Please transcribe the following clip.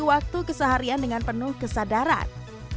waktu keseharian dengan penuh kesadaran